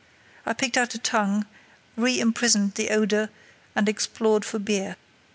I picked out a tongue, re imprisoned the odour, and explored for beer.